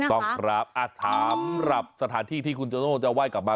ถูกต้องครับสำหรับสถานที่ที่คุณโตโนจะว่ายกลับมา